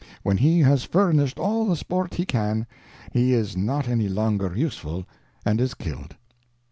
When he has furnished all the sport he can, he is not any longer useful, and is killed."